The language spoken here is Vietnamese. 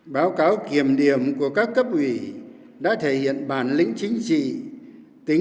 báo cáo kiềm điểm của các cấp ủy đã thể hiện bản lĩnh chính trị